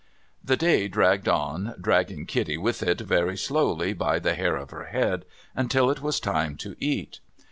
The day dragged on, dragging Kitty with it very slowly by the hair of her head, until it was time to eat.